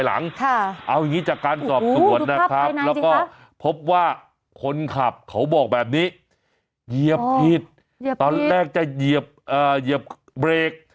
แล้วก็พบว่าคนขับเขาบอกแบบนี้เหยียบผิดตอนแรกจะเหยียบเบรก